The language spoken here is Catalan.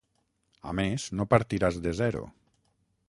A més, no partiràs de zero.